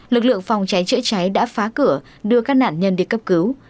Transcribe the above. lực lượng phòng cháy chữa cháy đã phá cửa đưa các nạn nhân đi cấp cứu